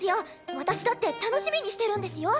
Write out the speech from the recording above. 私だって楽しみにしてるんですよ。